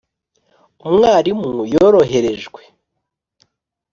umwarimu yoroherejwe